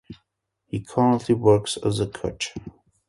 He currently works as a coach.